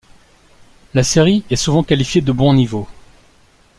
La série est souvent qualifiée de bon niveau.